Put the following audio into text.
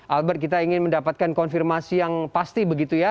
albert kita ingin mendapatkan konfirmasi yang pasti begitu ya